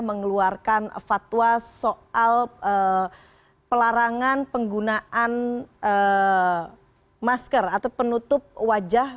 mengeluarkan fatwa soal pelarangan penggunaan masker atau penutup wajah